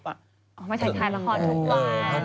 อ๋อก็ไม่ใช่คลายละครทุกวัน